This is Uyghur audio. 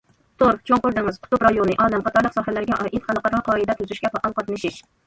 تور، چوڭقۇر دېڭىز، قۇتۇپ رايونى، ئالەم قاتارلىق ساھەلەرگە ئائىت خەلقئارا قائىدە تۈزۈشكە پائال قاتنىشىش.